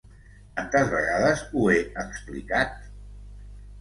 Tantes vegades ho he explicat?